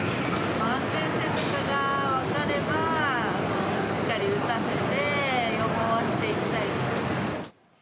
安全性とかが分かれば、しっかり打たせて、予防していきたいです。